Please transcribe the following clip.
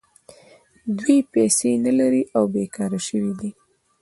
دوی پیسې نلري او بېکاره شوي دي